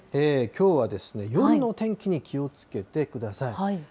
きょうは夜の天気に気をつけてください。